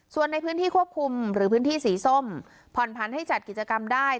ส่วนในพื้นที่ควบคุมหรือพื้นที่สีส้มผ่อนพันธุ์ให้จัดกิจกรรมได้